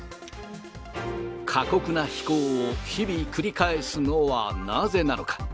過酷な飛行を日々繰り返すのはなぜなのか。